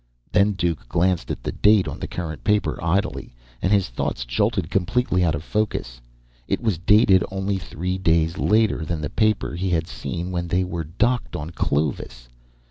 Then Duke glanced at the date on the current paper idly, and his thoughts jolted completely out of focus. It was dated only three days later than the paper he had seen when they were docked on Clovis!